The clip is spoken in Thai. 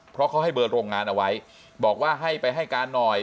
เพราะเขาให้เบอร์โรงงานเอาไว้บอกว่าให้ไปให้การหน่อย